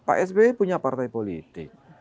pak sby punya partai politik